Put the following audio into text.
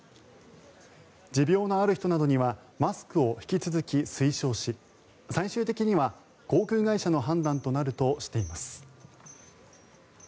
持病のある人などにはマスクを引き続き推奨し最終的には航空会社の判断となるとしています。